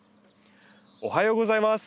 おはようございます。